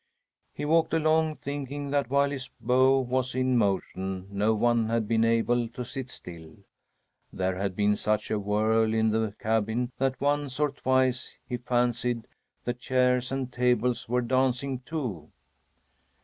He walked along, thinking that while his bow was in motion no one had been able to sit still. There had been such a whirl in the cabin that once or twice he fancied the chairs and tables were dancing too!